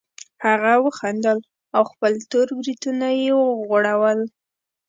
هغه وخندل او خپل تور بریتونه یې وغوړول